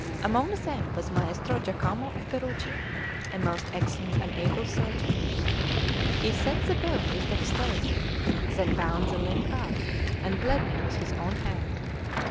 Among them was Maestro Jacomo of Perugia, a most excellent and able surgeon. He set the bone with dexterity, then bound the limb up, and bled me with his own hand.